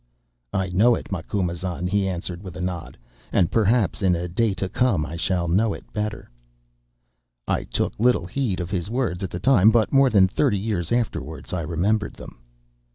"'I know it, Macumazahn,' he answered, with a nod, 'and perhaps in a day to come I shall know it better.' "I took little heed of his words at the time, but more than thirty years afterwards I remembered them.